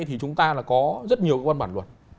thì chúng ta là có rất nhiều cái văn bản luật